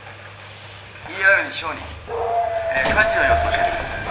ＥＲに小児患児の様子教えてください。